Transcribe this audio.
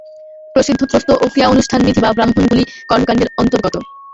প্রসিদ্ধ স্তোত্র ও ক্রিয়ানুষ্ঠানবিধি বা ব্রাহ্মণগুলি কর্মকাণ্ডের অন্তর্গত।